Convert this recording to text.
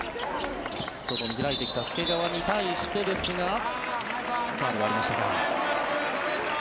外に開いてきた介川に対してですがファウルがありましたか。